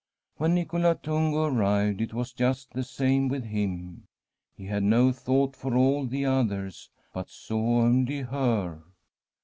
When Nicola Tungo arrived, it was just the same with him. He had no thought for all the others, but saw only her.